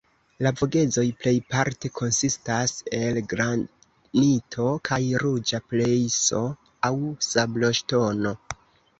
La Vogezoj plejparte konsistas el granito kaj ruĝa grejso aŭ sabloŝtono.